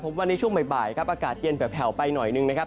ว่าในช่วงบ่ายครับอากาศเย็นแผลวไปหน่อยนึงนะครับ